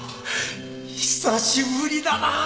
久しぶりだなぁ